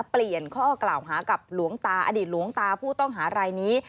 เปลี่ยนข้อกล่าวหากับหลวงตาอดีตหลวงตาผู้ต้องหารายนี้